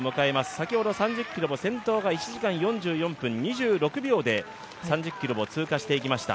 先ほど３０ｋｍの先頭が１時間４４分２６秒で３０ｋｍを通過していきました